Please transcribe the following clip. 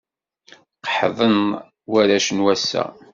Qeḥḍen warrac n wass-a.